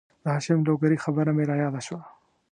د هاشم لوګرې خبره مې را یاده شوه